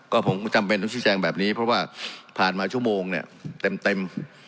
ก็ผมจำเป็นต้องชี้แจงแบบนี้เพราะว่าผ่านมาชั่วโมงเนี่ยเต็ม